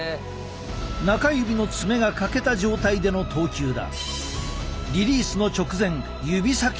中指の爪が欠けた状態での投球だ。